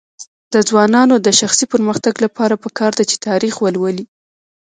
د ځوانانو د شخصي پرمختګ لپاره پکار ده چې تاریخ ولولي.